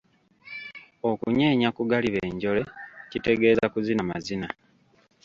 Okunyenya ku galiba enjole kitegeeza kuzina mazina.